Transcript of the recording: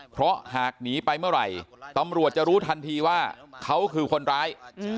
เพราะหากหนีไปเมื่อไหร่ตำรวจจะรู้ทันทีว่าเขาคือคนร้าย